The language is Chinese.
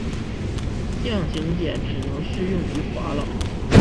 象形茧只能适用于法老。